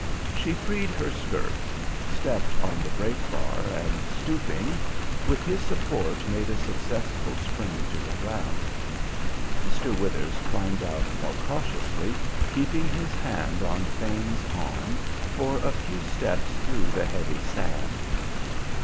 She freed her skirts, stepped on the brake bar, and stooping, with his support made a successful spring to the ground. Mr. Withers climbed out more cautiously, keeping his hand on Thane's arm for a few steps through the heavy sand.